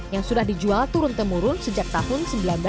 yang sudah dijual turun temurun sejak tahun seribu sembilan ratus sembilan puluh